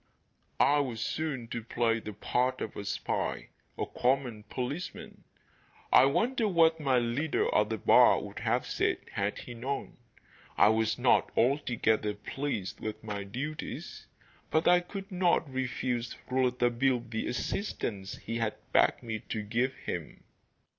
I was soon to play the part of a spy a common policeman. I wonder what my leader at the bar would have said had he known! I was not altogether pleased with my duties, but I could not refuse Rouletabille the assistance he had begged me to give him.